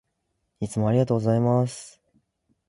いつもありがとうございます。